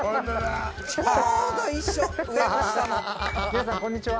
皆さんこんにちは。